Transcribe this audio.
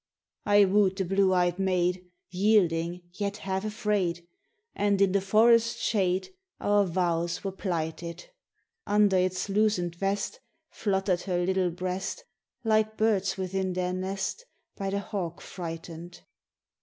"I wooed the blue eyed maid, Yielding, yet half afraid, And in the forest's shade Our vows were plighted. Under its loosened vest Fluttered her little breast, Like birds within their nest By the hawk frighted.